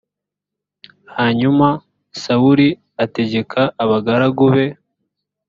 hanyuma sawuli ategeka abagaragu be